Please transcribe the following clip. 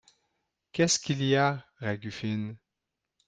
Qu’est-ce qu’il y a, Ragufine ?…